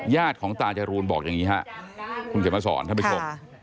ญาติของตาจรูนบอกอย่างนี้ฮะคุณเขียนมาสอนท่านผู้ชม